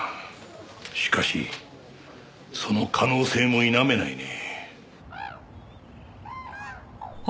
しかしその可能性も否めないね。